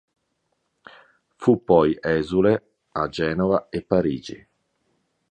Fu poi esule a Genova e Parigi.